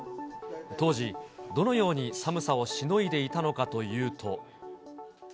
当時、どのように寒さをしのいでいたのかというと。